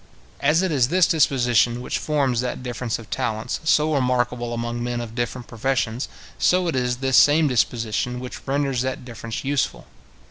As it is this disposition which forms that difference of talents, so remarkable among men of different professions, so it is this same disposition which renders that difference useful.